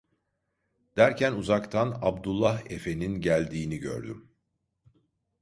Derken uzaktan Abdullah Efe'nin geldiğini gördüm.